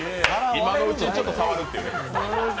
今のうちにちょっと触るという。